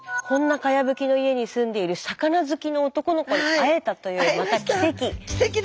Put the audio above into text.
こんなかやぶきの家に住んでいる魚好きの男の子に会えたというまた奇跡。